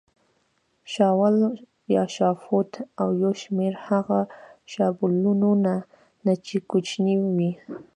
شاول یا شافول او یو شمېر هغه شابلونونه چې کوچني وي.